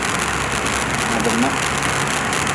Nyab nah.